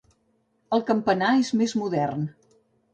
El campanar és més modern.